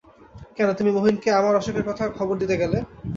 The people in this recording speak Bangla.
কেন তুমি মহিনকে আমার অসুখের কথা খবর দিতে গেলে।